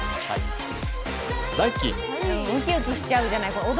ウキウキしちゃうじゃない。